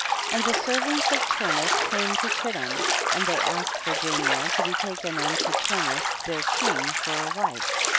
11. And the servants of Turnus came to Chittim, and they asked for Jania, to be taken unto Turnus their king for a wife.